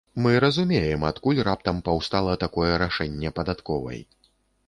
Мы разумеем, адкуль раптам паўстала такое рашэнне падатковай.